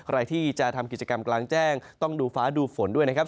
ใครที่จะทำกิจกรรมกลางแจ้งต้องดูฟ้าดูฝนด้วยนะครับ